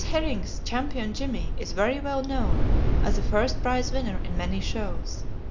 Herring's Champion Jimmy is very well known as a first prize winner in many shows.